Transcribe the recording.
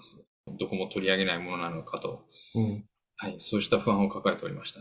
どこも取り上げないものなのかと、そうした不安を抱えておりました。